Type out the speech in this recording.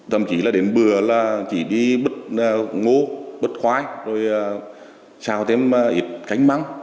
thậm chí là đến bữa là chỉ đi bớt ngô bớt khoai rồi xào thêm ít cánh măng